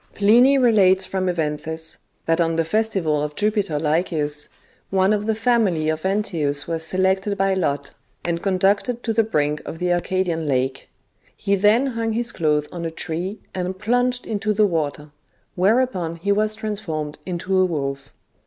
Pliny relates from Evanthes, that on the festival of Jupiter LycaBUs, one of the family of Antaeus was selected by lot, and conducted to the brink of the Arcadian lake. He then hung his clothes on a tree and plunged into the water, whereupon he was transformed into a wolf.